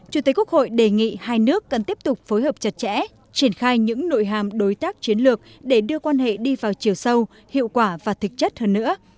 chủ tịch quốc hội đề nghị hai nước cần tiếp tục phối hợp chặt chẽ triển khai những nội hàm đối tác chiến lược để đưa quan hệ đi vào chiều sâu hiệu quả và thực chất hơn nữa